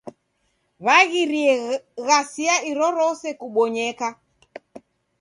W'aghirie ghasia irorose kubonyeka.